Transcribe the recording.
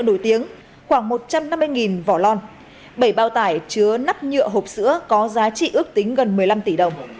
nổi tiếng khoảng một trăm năm mươi vỏ lon bảy bao tải chứa nắp nhựa hộp sữa có giá trị ước tính gần một mươi năm tỷ đồng